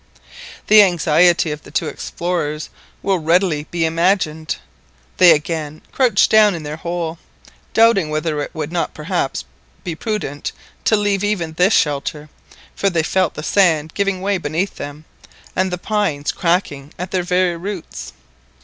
The anxiety of the two explorers will readily be imagined. They again crouched down in their hole, doubting whether it would not perhaps be prudent to leave even this shelter, for they felt the sand giving way beneath them, and the pines cracking at their very roots.